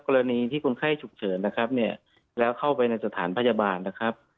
กรณีที่คนไข้ฉุกเฉินนะครับเนี่ยแล้วเข้าไปในสถานพยาบาลนะครับ